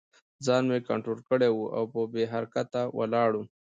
ځان مې کنترول کړی و او بې حرکته ولاړ وم